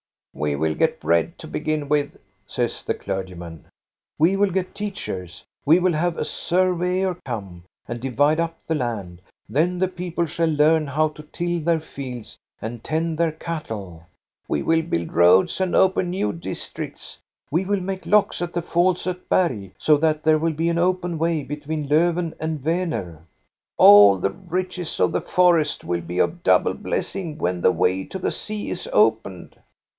" We will get bread to begin with," says the clergy man. " We will get teachers. We will have a surveyor come, and divide up the land. Then the people shall learn how to till their fields and tend their cattle." " We will build roads and open new districts." " We will make locks at the falls at Berg, so that there will be an open way between Lofven and Vaner." "All the riches of the forest will be of double blessing when the way to the sea is opened."